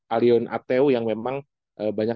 alion ateo yang memang banyak